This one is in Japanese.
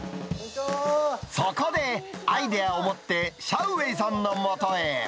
そこで、アイデアを持ってシャウ・ウェイさんのもとへ。